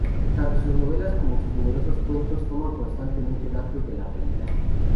Tanto sus novelas como sus numerosos cuentos toman constantemente datos de la realidad.